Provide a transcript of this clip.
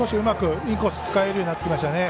インコース使えるようになってきましたね。